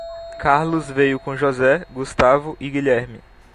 Carlos veio com José, Gustavo e Guilherme.